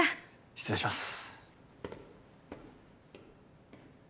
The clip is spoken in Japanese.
失礼します。